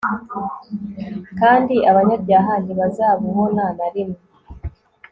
kandi abanyabyaha ntibazabubona na rimwe